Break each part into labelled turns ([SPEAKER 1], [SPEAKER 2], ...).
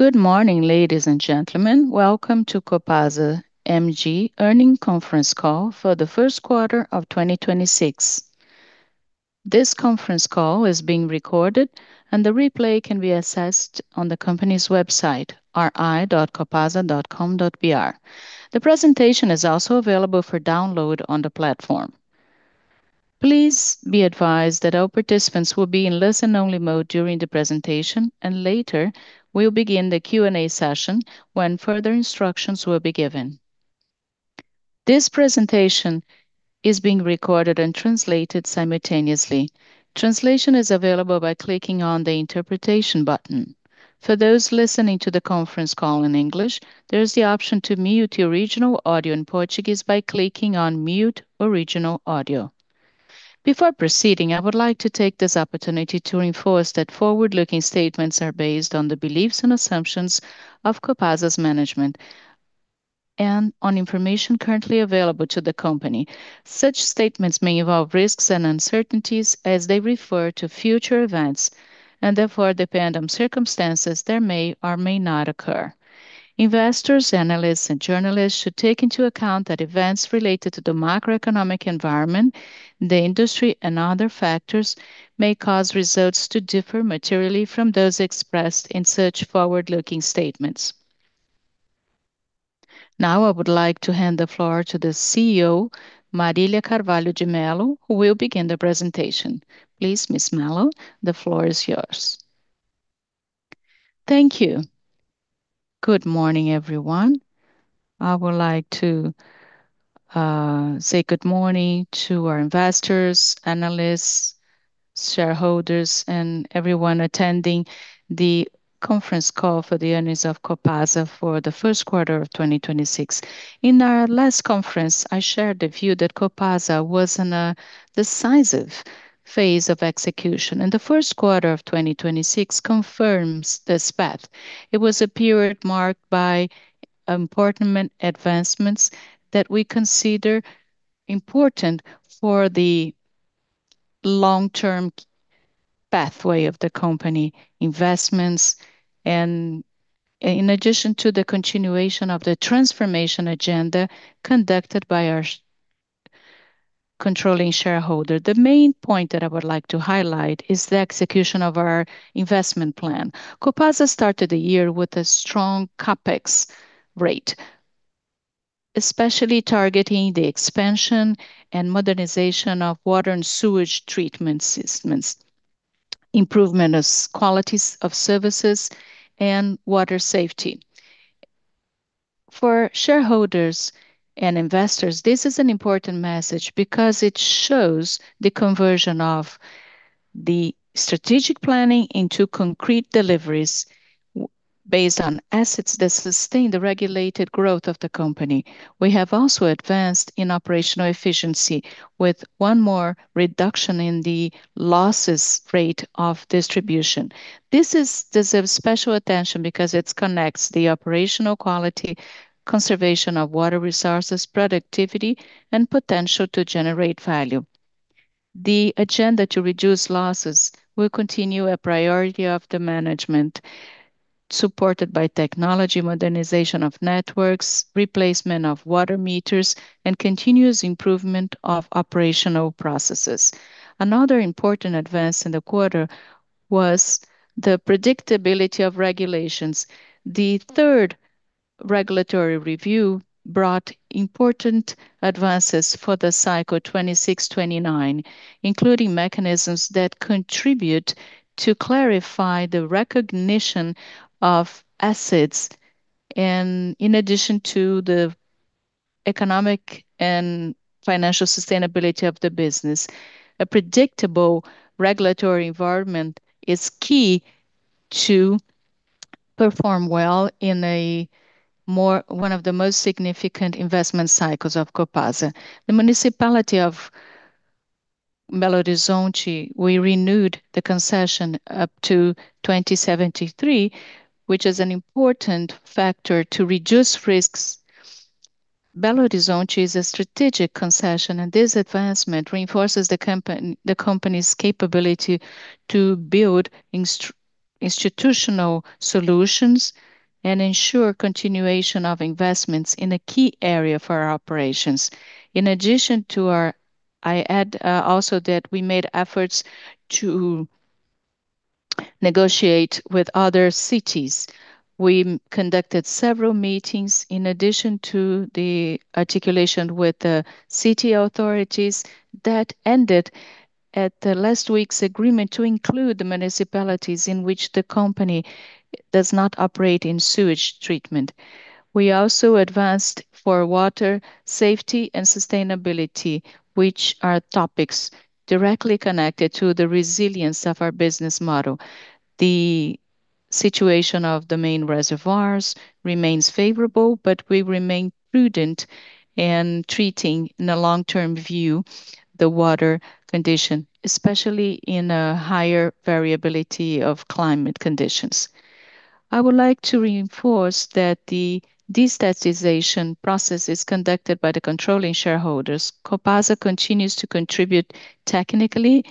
[SPEAKER 1] Good morning, ladies and gentlemen. Welcome to COPASA MG earnings conference call for the first quarter of 2026. This conference call is being recorded, and the replay can be accessed on the company's website, ri.copasa.com.br. The presentation is also available for download on the platform. Please be advised that all participants will be in listen-only mode during the presentation, and later we'll begin the Q&A session when further instructions will be given. This presentation is being recorded and translated simultaneously. Translation is available by clicking on the Interpretation button. For those listening to the conference call in English, there is the option to mute the original audio in Portuguese by clicking on Mute Original Audio. Before proceeding, I would like to take this opportunity to reinforce that forward-looking statements are based on the beliefs and assumptions of COPASA's management and on information currently available to the company. Such statements may involve risks and uncertainties as they refer to future events and therefore depend on circumstances that may or may not occur. Investors, analysts, and journalists should take into account that events related to the macroeconomic environment, the industry, and other factors may cause results to differ materially from those expressed in such forward-looking statements. Now I would like to hand the floor to the CEO, Marília Carvalho de Melo, who will begin the presentation. Please, Ms. Melo, the floor is yours.
[SPEAKER 2] Thank you. Good morning, everyone. I would like to say good morning to our investors, analysts, shareholders, and everyone attending the conference call for the earnings of COPASA for the first quarter of 2026. In our last conference, I shared the view that COPASA was in a decisive phase of execution, and the first quarter of 2026 confirms this path. It was a period marked by important advancements that we consider important for the long-term pathway of the company, investments, in addition to the continuation of the transformation agenda conducted by our controlling shareholder. The main point that I would like to highlight is the execution of our investment plan. COPASA started the year with a strong CapEx rate, especially targeting the expansion and modernization of water and sewage treatment systems, improvement of qualities of services, and water safety. For shareholders and investors, this is an important message because it shows the conversion of the strategic planning into concrete deliveries based on assets that sustain the regulated growth of the company. We have also advanced in operational efficiency with one more reduction in the losses rate of distribution. This deserves special attention because it connects the operational quality, conservation of water resources, productivity, and potential to generate value. The agenda to reduce losses will continue a priority of the management, supported by technology, modernization of networks, replacement of water meters, and continuous improvement of operational processes. Another important advance in the quarter was the predictability of regulations. The third regulatory review brought important advances for the cycle 2026/2029, including mechanisms that contribute to clarify the recognition of assets and in addition to the economic and financial sustainability of the business. A predictable regulatory environment is key to perform well in one of the most significant investment cycles of COPASA. The municipality of Belo Horizonte, we renewed the concession up to 2073, which is an important factor to reduce risks. Belo Horizonte is a strategic concession, this advancement reinforces the company's capability to build institutional solutions and ensure continuation of investments in a key area for our operations. I add also that we made efforts to negotiate with other cities. We conducted several meetings in addition to the articulation with the city authorities that ended at the last week's agreement to include the municipalities in which the company does not operate in sewage treatment. We also advanced for water safety and sustainability, which are topics directly connected to the resilience of our business model. The situation of the main reservoirs remains favorable, we remain prudent in treating, in a long-term view, the water condition, especially in a higher variability of climate conditions. I would like to reinforce that the destatization process is conducted by the controlling shareholders. COPASA continues to contribute technically,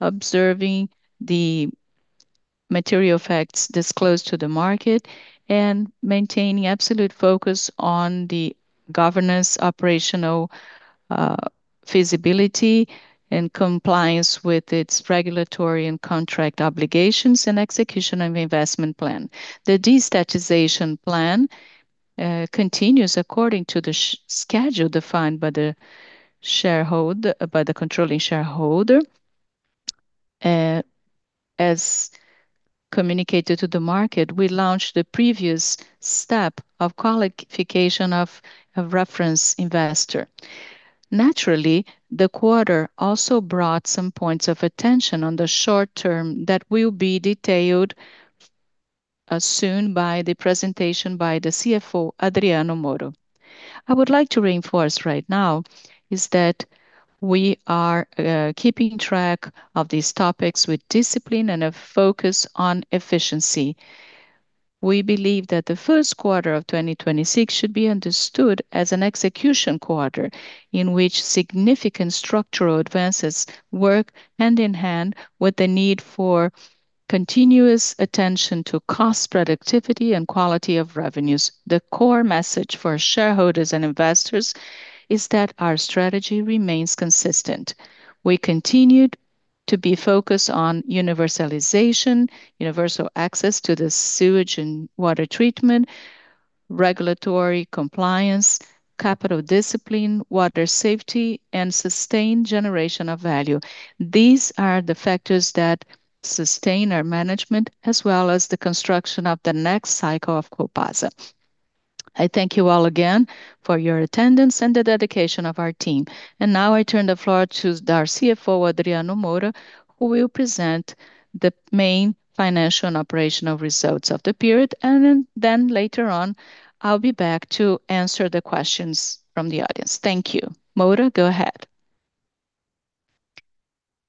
[SPEAKER 2] observing the material effects disclosed to the market and maintaining absolute focus on the governance operational feasibility and compliance with its regulatory and contract obligations and execution of investment plan. The destatization plan continues according to the schedule defined by the controlling shareholder. As communicated to the market, we launched the previous step of qualification of reference investor. Naturally, the quarter also brought some points of attention on the short term that will be detailed soon by the presentation by the CFO, Adriano Moura. I would like to reinforce right now is that we are keeping track of these topics with discipline and a focus on efficiency. We believe that the first quarter of 2026 should be understood as an execution quarter in which significant structural advances work hand-in-hand with the need for continuous attention to cost productivity and quality of revenues. The core message for shareholders and investors is that our strategy remains consistent. We continued to be focused on universalization, universal access to the sewage and water treatment, regulatory compliance, capital discipline, water safety, and sustained generation of value. These are the factors that sustain our management as well as the construction of the next cycle of COPASA. I thank you all again for your attendance and the dedication of our team. Now I turn the floor to our CFO, Adriano Moura, who will present the main financial and operational results of the period. Then later on, I'll be back to answer the questions from the audience. Thank you. Moura, go ahead.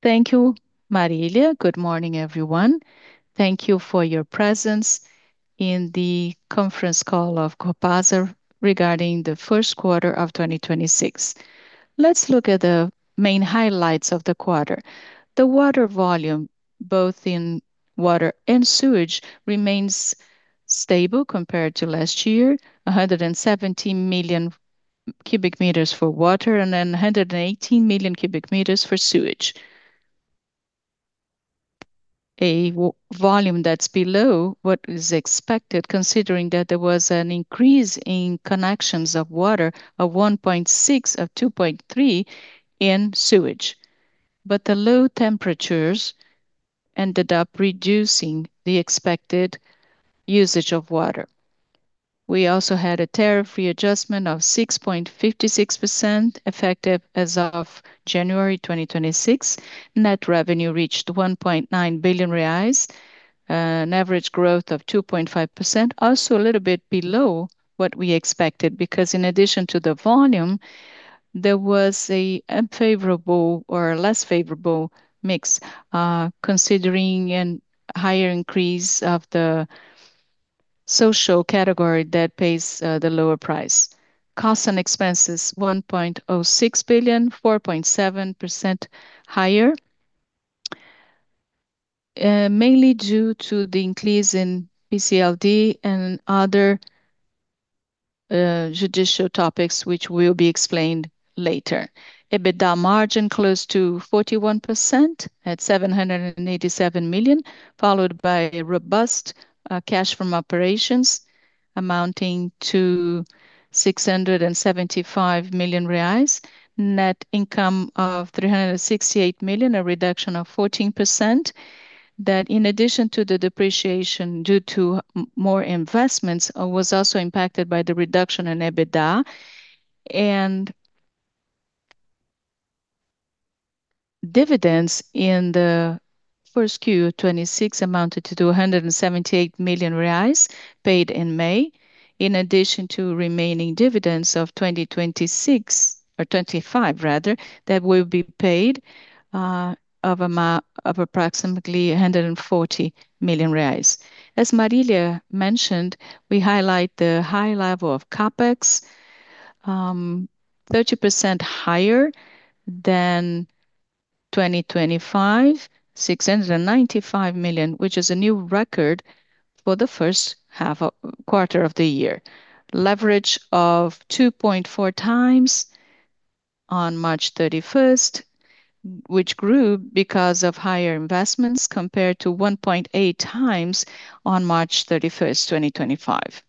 [SPEAKER 3] Thank you, Marília. Good morning, everyone. Thank you for your presence in the conference call of COPASA regarding the first quarter of 2026. Let's look at the main highlights of the quarter. The water volume, both in water and sewage, remains stable compared to last year. 170 million cu m for water and then 118 million cu m for sewage. A volume that's below what is expected, considering that there was an increase in connections of water of 1.6, of 2.3 in sewage. The low temperatures ended up reducing the expected usage of water. We also had a tariff readjustment of 6.56%, effective as of January 2026. Net revenue reached 1.9 billion reais. An average growth of 2.5%. Also a little bit below what we expected because in addition to the volume, there was a unfavorable or less favorable mix, considering an higher increase of the social category that pays the lower price. Costs and expenses, 1.06 billion, 4.7% higher. Mainly due to the increase in PCLD and other judicial topics, which will be explained later. EBITDA margin close to 41% at 787 million, followed by robust cash from operations amounting to 675 million reais. Net income of 368 million, a reduction of 14%. That, in addition to the depreciation due to more investments, was also impacted by the reduction in EBITDA. Dividends in the first Q of 2026 amounted to 278 million reais, paid in May, in addition to remaining dividends of 2026, or 2025 rather, that will be paid approximately 140 million reais. As Marília mentioned, we highlight the high level of CapEx, 30% higher than 2025, 695 million, which is a new record for the first quarter of the year. Leverage of 2.4x on March 31st, which grew because of higher investments compared to 1.8x on March 31st, 2025.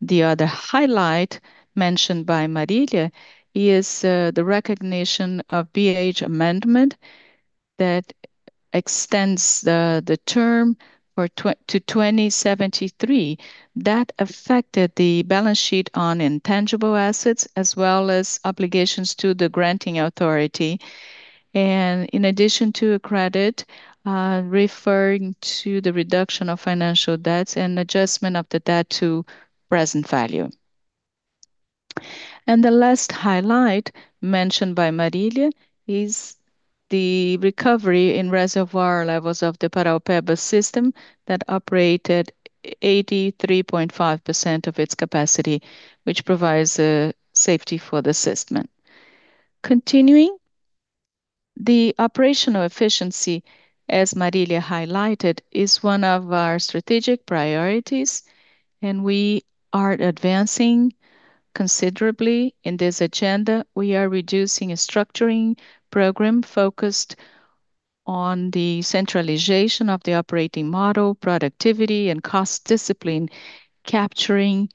[SPEAKER 3] The other highlight mentioned by Marília is the recognition of BH amendment that extends the term for 2073. That affected the balance sheet on intangible assets as well as obligations to the granting authority. In addition to a credit, referring to the reduction of financial debts and adjustment of the debt to present value. The last highlight mentioned by Marília is the recovery in reservoir levels of the Paraopeba system that operated 83.5% of its capacity, which provides safety for the system. Continuing. The operational efficiency, as Marília highlighted, is one of our strategic priorities, and we are advancing considerably in this agenda. We are reducing a structuring program focused on the centralization of the operating model, productivity and cost discipline, capturing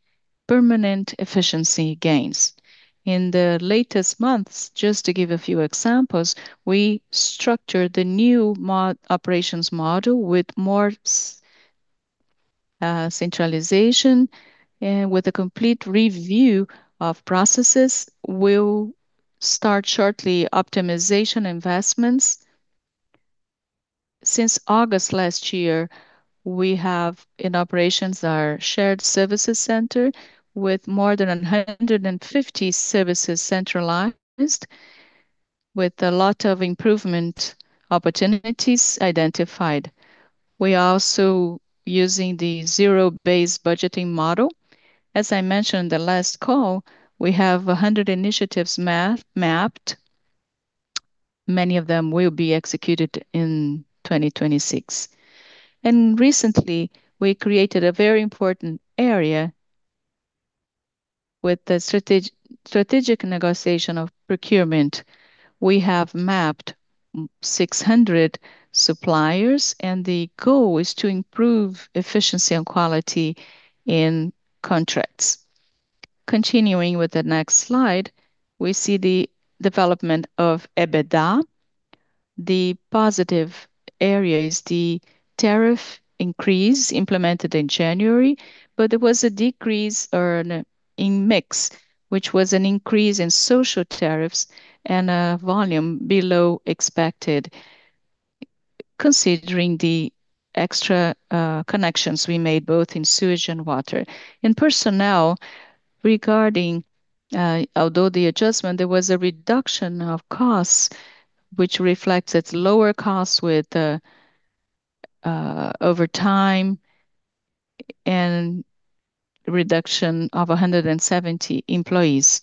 [SPEAKER 3] permanent efficiency gains. In the latest months, just to give a few examples, we structured the new operations model with more centralization. With a complete review of processes, we will start shortly optimization investments. Since August last year, we have in operations our shared services center with more than 150 services centralized, with a lot of improvement opportunities identified. We are also using the zero-based budgeting model. As I mentioned the last call, we have 100 initiatives mapped. Many of them will be executed in 2026. Recently, we created a very important area with the strategic negotiation of procurement. We have mapped 600 suppliers. The goal is to improve efficiency and quality in contracts. Continuing with the next slide, we see the development of EBITDA. The positive area is the tariff increase implemented in January. There was a decrease [earn] in mix, which was an increase in social tariffs and a volume below expected, considering the extra connections we made both in sewage and water. In personnel, regarding, although the adjustment, there was a reduction of costs, which reflects its lower cost with overtime and reduction of 170 employees.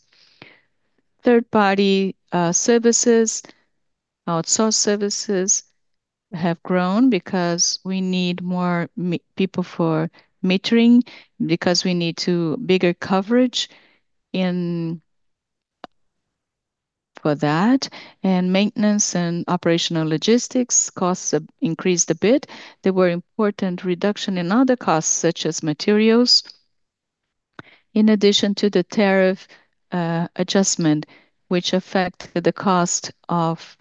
[SPEAKER 3] Third-party services, outsourced services have grown because we need more people for metering because we need bigger coverage in for that. Maintenance and operational logistics costs have increased a bit. There were important reduction in other costs, such as materials. In addition to the tariff adjustment, which affect the cost of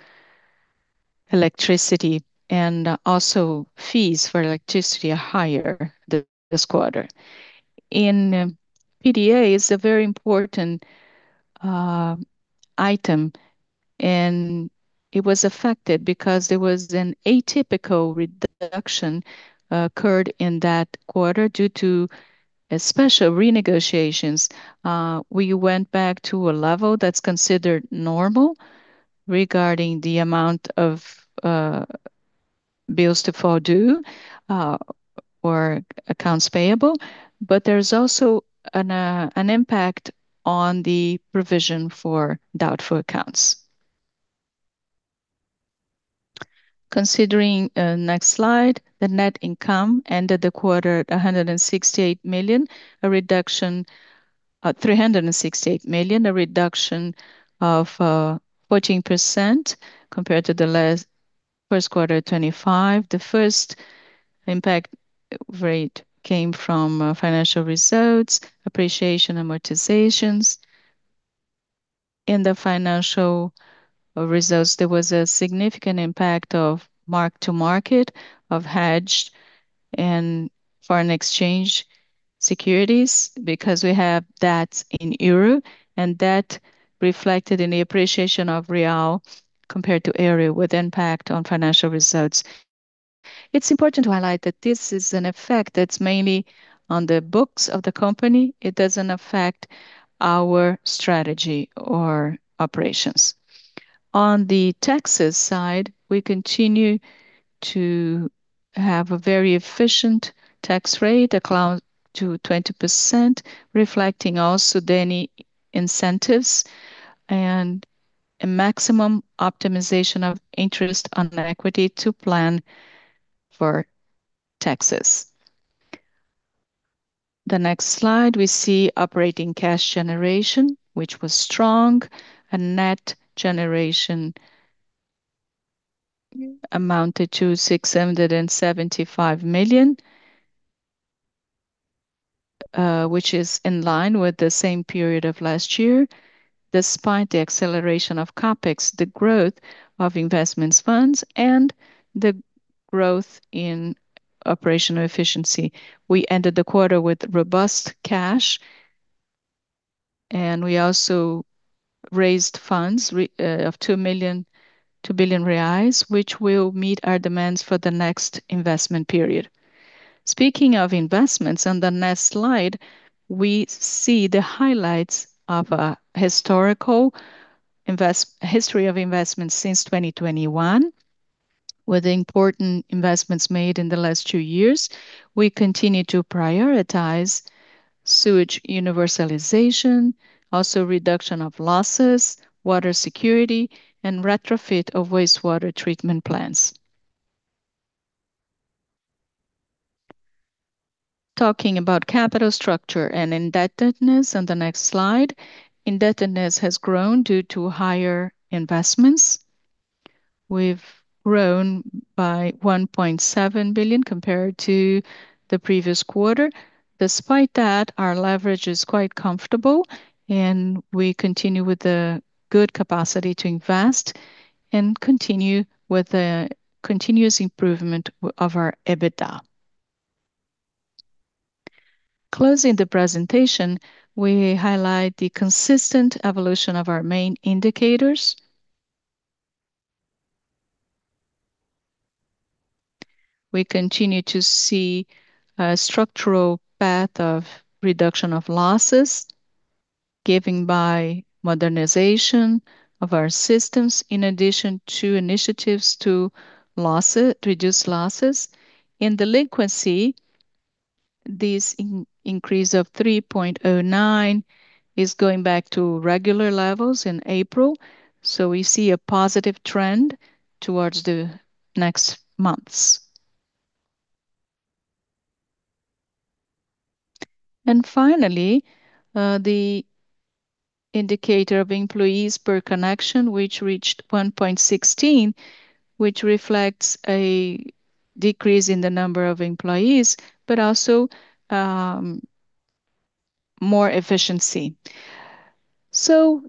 [SPEAKER 3] electricity and also fees for electricity are higher this quarter. In PDA, is a very important item, and it was affected because there was an atypical reduction occurred in that quarter due to a special renegotiations. We went back to a level that's considered normal regarding the amount of bills to fall due or accounts payable. There's also an impact on the provision for doubtful accounts. Considering next slide, the net income ended the quarter at 168 million, a reduction at 368 million, a reduction of 14% compared to the last first quarter of 2025. The first impact rate came from financial results, appreciation amortizations. In the financial results, there was a significant impact of mark-to-market, of hedged and foreign exchange securities because we have debts in euro, and that reflected in the appreciation of real compared to euro with impact on financial results. It's important to highlight that this is an effect that's mainly on the books of the company. It doesn't affect our strategy or operations. On the taxes side, we continue to have a very efficient tax rate, a close to 20%, reflecting also any incentives and a maximum optimization of interest on equity to plan for taxes. Next slide, we see operating cash generation, which was strong. Net generation amounted to BRL 675 million, which is in line with the same period of last year, despite the acceleration of CapEx, the growth of investments funds, and the growth in operational efficiency. We ended the quarter with robust cash, we also raised funds of 2 billion reais, which will meet our demands for the next investment period. Speaking of investments, on the next slide, we see the highlights of a historical history of investments since 2021. With the important investments made in the last two years, we continue to prioritize sewage universalization, also reduction of losses, water security, and retrofit of wastewater treatment plants. Talking about capital structure and indebtedness on the next slide, indebtedness has grown due to higher investments. We've grown by 1.7 billion compared to the previous quarter. Despite that, our leverage is quite comfortable, and we continue with the good capacity to invest and continue with the continuous improvement of our EBITDA. Closing the presentation, we highlight the consistent evolution of our main indicators. We continue to see a structural path of reduction of losses given by modernization of our systems, in addition to initiatives to reduce losses. In delinquency, this increase of 3.09% is going back to regular levels in April, so we see a positive trend towards the next months. Finally, the indicator of employees per connection, which reached 1.16, which reflects a decrease in the number of employees, but also more efficiency.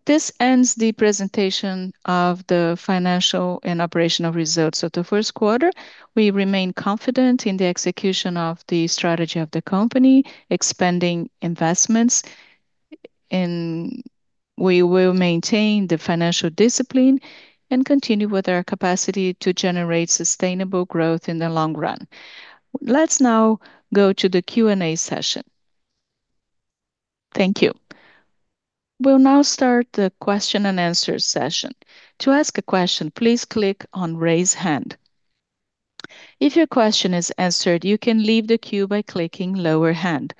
[SPEAKER 3] This ends the presentation of the financial and operational results of the first quarter. We remain confident in the execution of the strategy of the company, expanding investments, and we will maintain the financial discipline and continue with our capacity to generate sustainable growth in the long run. Let's now go to the Q&A session. Thank you.
[SPEAKER 1] We'll now start the question-and-answer session. To ask a question, please click on Raise Hand. If your question is answered, you can leave the queue by clicking Lower Hand.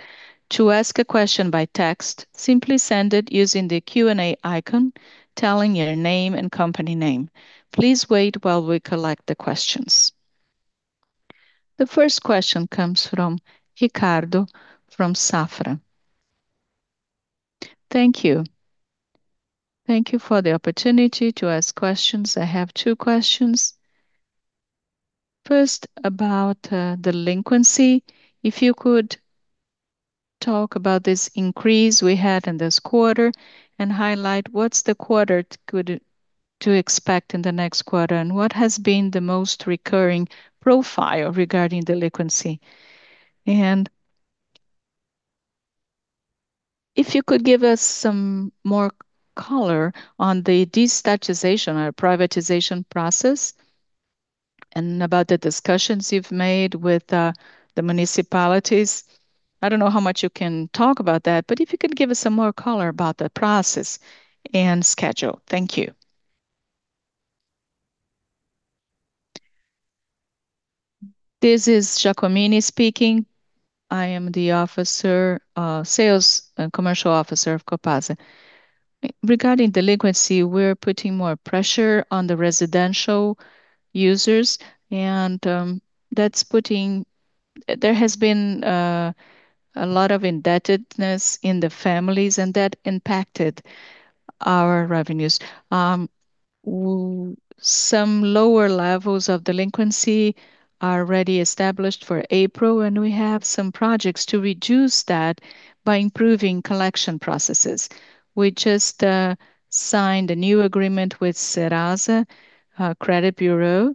[SPEAKER 1] To ask a question by text, simply send it using the Q&A icon, telling your name and company name. Please wait while we collect the questions. The first question comes from Ricardo from Safra.
[SPEAKER 4] Thank you. Thank you for the opportunity to ask questions. I have two questions. First, about delinquency. If you could talk about this increase we had in this quarter and highlight what's the quarter to expect in the next quarter, and what has been the most recurring profile regarding delinquency? If you could give us some more color on the destatization or privatization process and about the discussions you've made with the municipalities. I don't know how much you can talk about that, but if you could give us some more color about the process and schedule. Thank you.
[SPEAKER 5] This is Jacomini speaking. I am the officer, Sales and Commercial Officer of COPASA. Regarding delinquency, we're putting more pressure on the residential users, and there has been a lot of indebtedness in the families, and that impacted our revenues. Some lower levels of delinquency are already established for April, and we have some projects to reduce that by improving collection processes. We just signed a new agreement with Serasa, our credit bureau,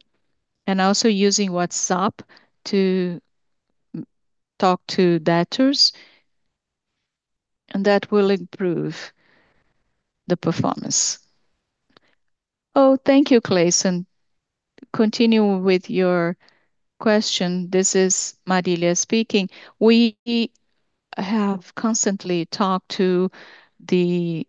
[SPEAKER 5] and also using WhatsApp to talk to debtors, and that will improve the performance.
[SPEAKER 2] Oh, thank you, Cleyson. Continue with your question. This is Marília speaking. We have constantly talked to the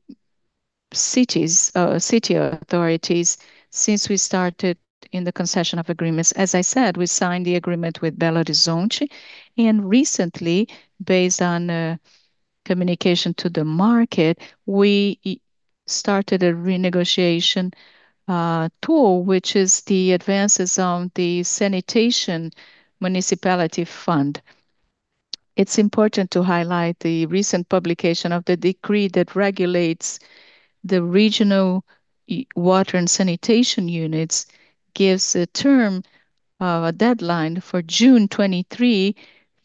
[SPEAKER 2] cities, city authorities since we started in the concession agreements. As I said, we signed the agreement with Belo Horizonte. Recently, based on communication to the market, we started a renegotiation tool, which is the advances on the Sanitation Municipality Fund. It's important to highlight the recent publication of the decree that regulates the regional water and sanitation units, gives a term, a deadline for June 23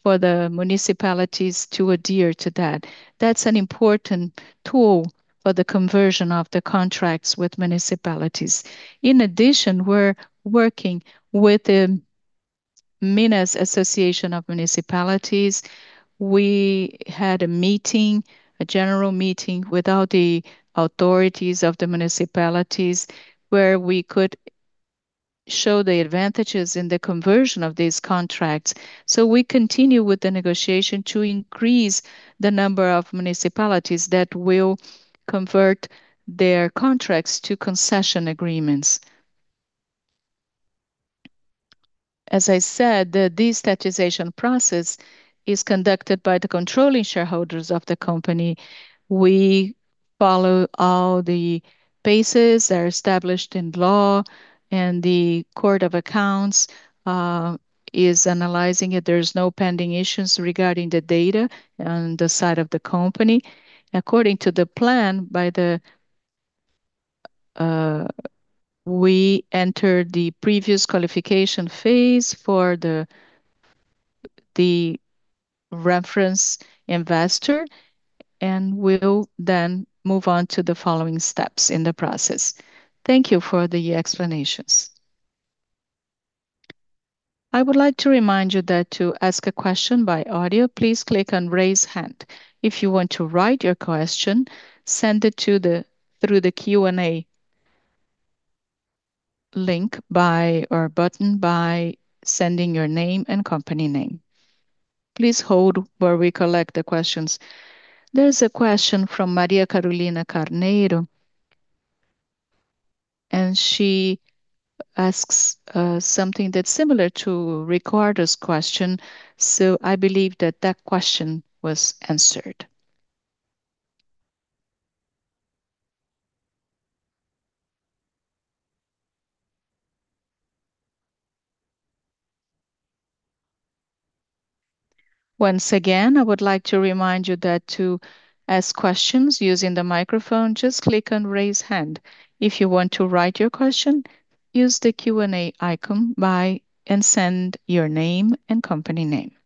[SPEAKER 2] for the municipalities to adhere to that. That's an important tool for the conversion of the contracts with municipalities. In addition, we're working with the MInas Association of Municipalities. We had a meeting, a general meeting with all the authorities of the municipalities where we could show the advantages in the conversion of these contracts. We continue with the negotiation to increase the number of municipalities that will convert their contracts to concession agreements. As I said, the destatization process is conducted by the controlling shareholders of the company. We follow all the phases that are established in law. The Court of Accounts is analyzing it. There's no pending issues regarding the data on the side of the company. According to the plan, by the, we enter the previous qualification phase for the reference investor, we'll then move on to the following steps in the process.
[SPEAKER 4] Thank you for the explanations.
[SPEAKER 1] I would like to remind you that to ask a question by audio, please click on Raise Hand. If you want to write your question, send it through the Q&A link by, or button, by sending your name and company name. Please hold while we collect the questions. There's a question from Maria Carolina Carneiro. She asks something that's similar to Ricardo's question. I believe that question was answered. Once again, I would like to remind you that to ask questions using the microphone, just click on Raise Hand. If you want to write your question, use the Q&A icon and send your name and company name.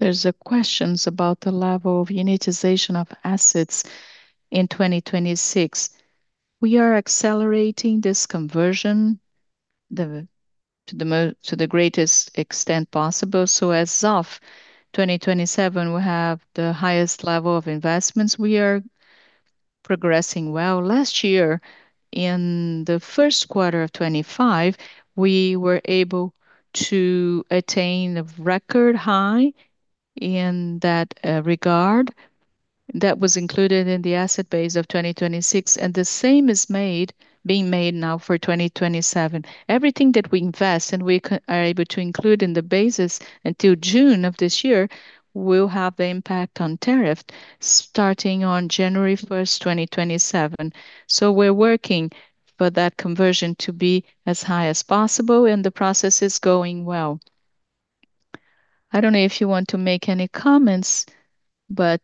[SPEAKER 1] There's questions about the level of unitization of assets in 2026.
[SPEAKER 2] We are accelerating this conversion to the greatest extent possible, so as of 2027, we have the highest level of investments. We are progressing well. Last year, in the first quarter of 2025, we were able to attain a record high in that regard. That was included in the asset base of 2026, the same is being made now for 2027. Everything that we invest and we are able to include in the bases until June of this year will have the impact on tariff starting on January 1st, 2027. We're working for that conversion to be as high as possible, and the process is going well. I don't know if you want to make any comments, but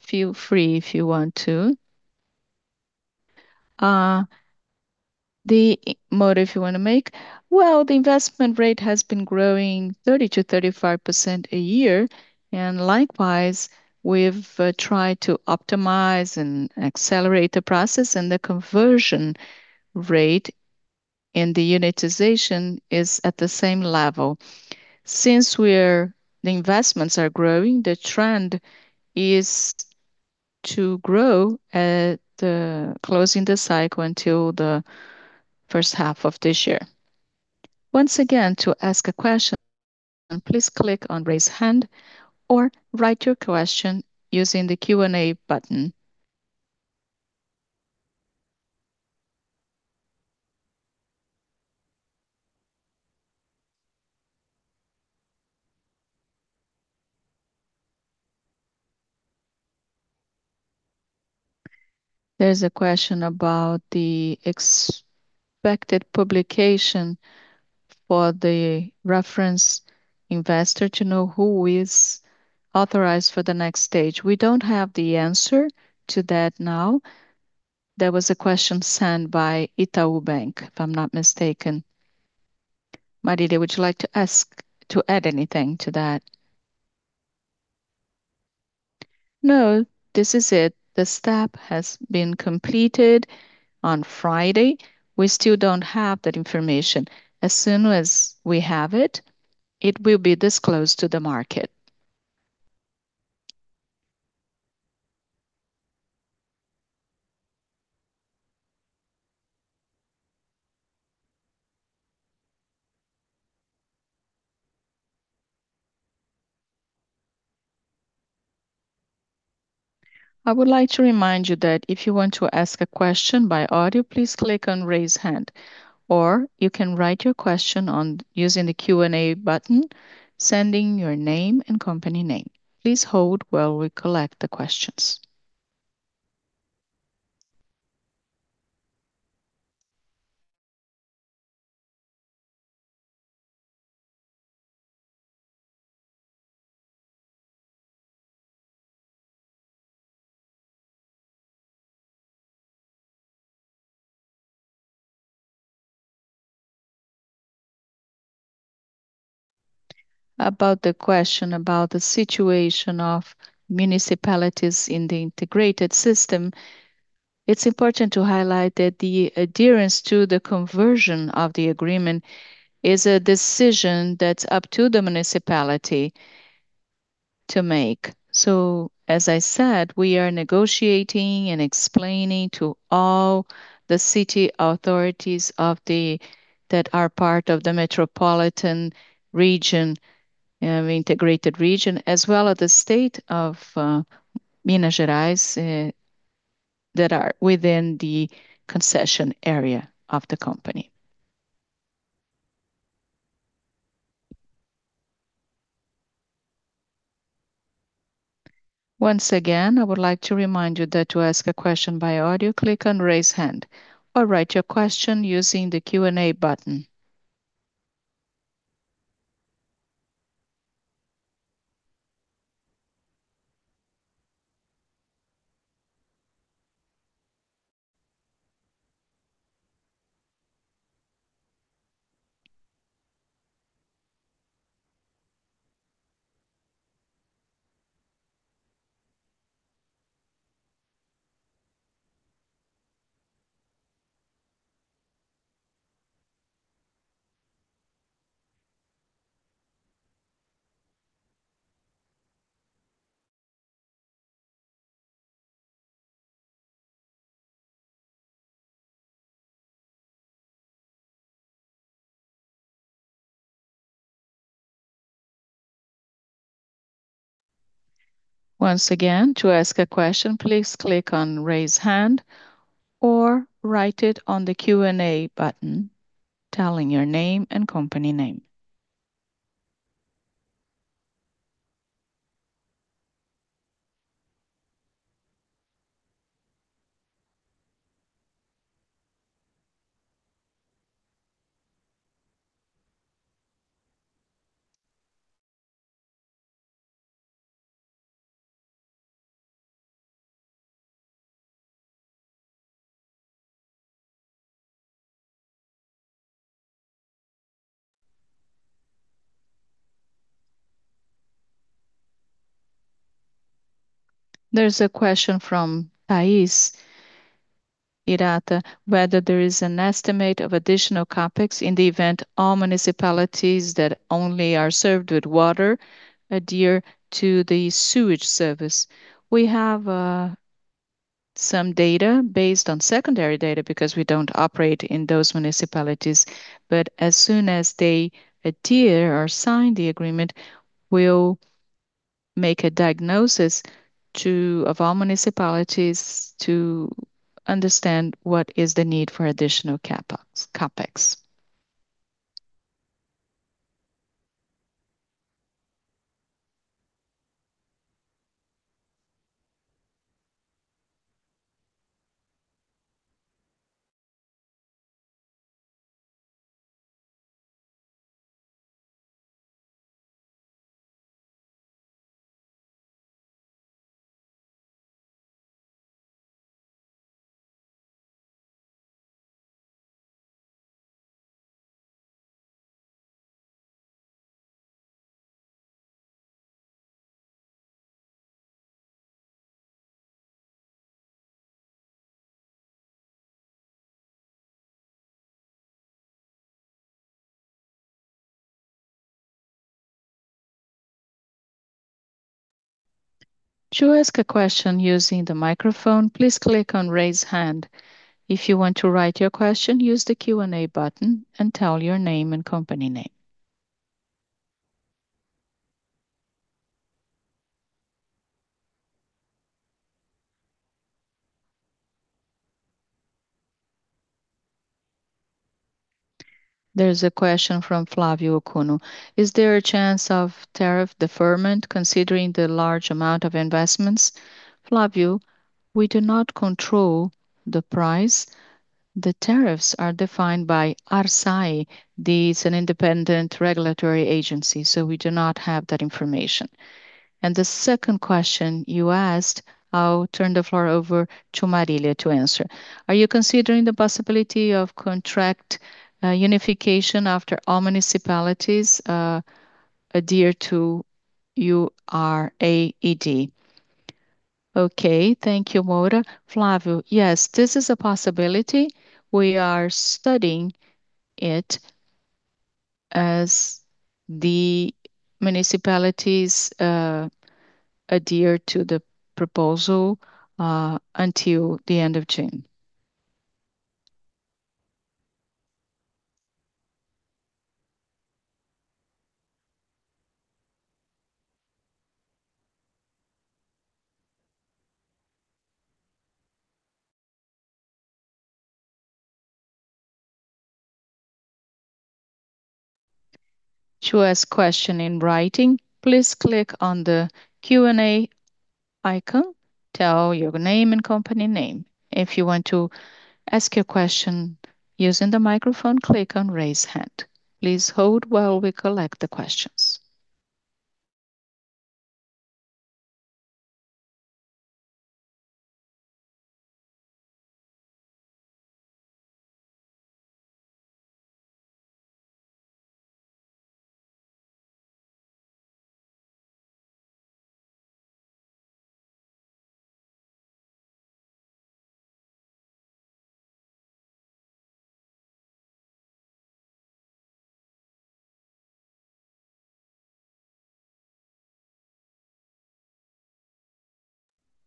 [SPEAKER 2] feel free if you want to. The... Moura, if you wanna make.
[SPEAKER 3] Well, the investment rate has been growing 30%-35% a year, and likewise, we've tried to optimize and accelerate the process, and the conversion rate in the unitization is at the same level. Since the investments are growing, the trend is to grow at closing the cycle until the first half of this year.
[SPEAKER 1] Once again, to ask a question, please click on Raise Hand, or write your question using the Q&A button. There's a question about the expected publication for the reference investor to know who is authorized for the next stage.
[SPEAKER 3] We don't have the answer to that now. That was a question sent by Itaú Bank, if I'm not mistaken. Marília, would you like to add anything to that?
[SPEAKER 2] No, this is it. The step has been completed on Friday. We still don't have that information. As soon as we have it will be disclosed to the market.
[SPEAKER 1] I would like to remind you that if you want to ask a question by audio, please click on Raise Hand, or you can write your question on using the Q&A button, sending your name and company name. Please hold while we collect the questions.
[SPEAKER 2] About the question about the situation of municipalities in the integrated system, it's important to highlight that the adherence to the conversion of the agreement is a decision that's up to the municipality to make. As I said, we are negotiating and explaining to all the city authorities that are part of the metropolitan region, integrated region, as well as the state of Minas Gerais that are within the concession area of the company.
[SPEAKER 1] Once again, I would like to remind you that to ask a question by audio, click on Raise Hand, or write your question using the Q&A button. Once again, to ask a question, please click on Raise Hand or write it on the Q&A button, telling your name and company name. There's a question from [Taís Hirata], whether there is an estimate of additional CapEx in the event all municipalities that only are served with water adhere to the sewage service.
[SPEAKER 3] We have some data based on secondary data because we don't operate in those municipalities. As soon as they adhere or sign the agreement, we'll make a diagnosis of all municipalities to understand what is the need for additional CapEx.
[SPEAKER 1] To ask a question using the microphone, please click on Raise Hand. If you want to write your question, use the Q&A button and tell your name and company name. There's a question from Flávio Okuno: Is there a chance of tariff deferment considering the large amount of investments?
[SPEAKER 3] Flávio, we do not control the price. The tariffs are defined by ARSAE. It's an independent regulatory agency. We do not have that information. The second question you asked, I'll turn the floor over to Marília to answer. Are you considering the possibility of contract unitization after all municipalities adhere to URAED?
[SPEAKER 2] Okay. Thank you, Moura. Flávio, yes, this is a possibility. We are studying it as the municipalities adhere to the proposal until the end of June.
[SPEAKER 1] To ask a question in writing, please click on the Q&A icon, tell your name and company name. If you want to ask a question using the microphone, click on Raise Hand. Please hold while we collect the questions.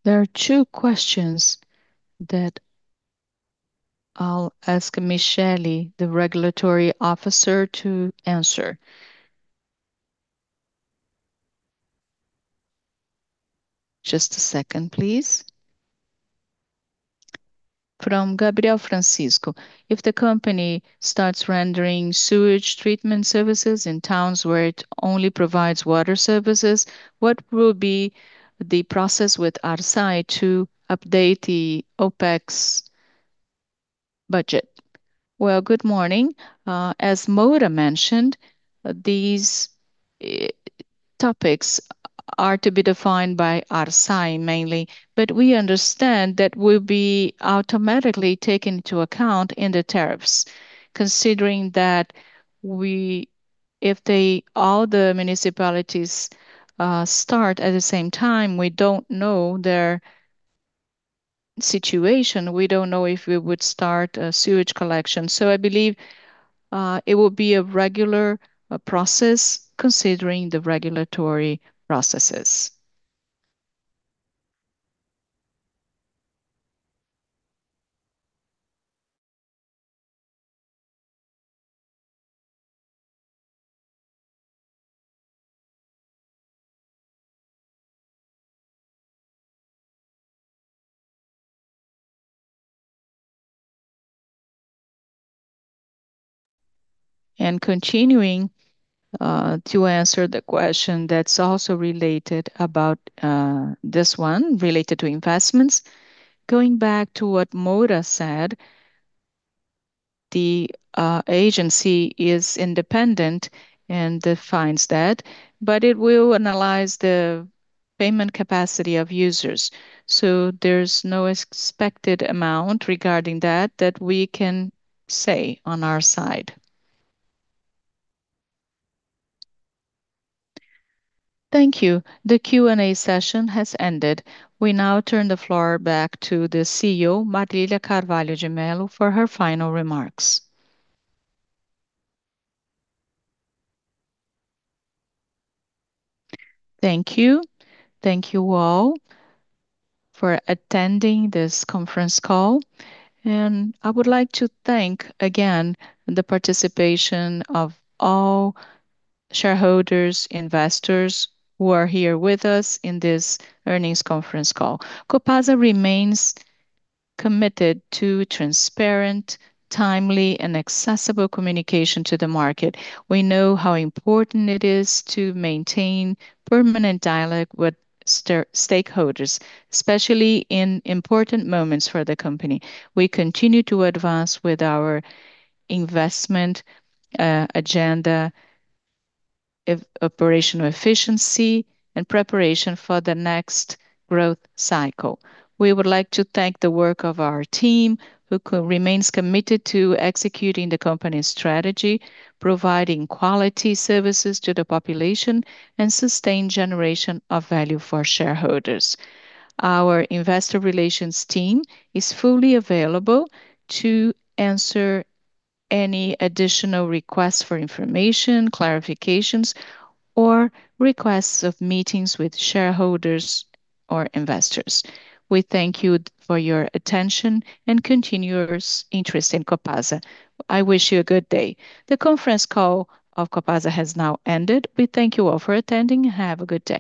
[SPEAKER 1] There are two questions that I'll ask Michelle, the Regulatory Officer, to answer. Just a second, please. From Gabriel Francisco: If the company starts rendering sewage treatment services in towns where it only provides water services, what will be the process with ARSAE to update the OpEx budget?
[SPEAKER 6] Well, good morning. As Moura mentioned, these topics are to be defined by ARSAE mainly. We understand that will be automatically taken into account in the tariffs, considering that if they, all the municipalities, start at the same time, we don't know their situation. We don't know if we would start a sewage collection. I believe it would be a regular process considering the regulatory processes. Continuing to answer the question that's also related about this one related to investments. Going back to what Moura said, the agency is independent and defines that, but it will analyze the payment capacity of users. There's no expected amount regarding that we can say on our side. Thank you.
[SPEAKER 1] The Q&A session has ended. We now turn the floor back to the CEO, Marília Carvalho de Melo, for her final remarks.
[SPEAKER 2] Thank you. Thank you all for attending this conference call. I would like to thank again the participation of all shareholders, investors who are here with us in this earnings conference call. COPASA remains committed to transparent, timely, and accessible communication to the market. We know how important it is to maintain permanent dialogue with stakeholders, especially in important moments for the company. We continue to advance with our investment agenda, operational efficiency, and preparation for the next growth cycle. We would like to thank the work of our team who remains committed to executing the company's strategy, providing quality services to the population, and sustained generation of value for shareholders. Our Investor Relations team is fully available to answer any additional requests for information, clarifications, or requests of meetings with shareholders or investors. We thank you for your attention and continuous interest in COPASA. I wish you a good day.
[SPEAKER 1] The conference call of COPASA has now ended. We thank you all for attending. Have a good day.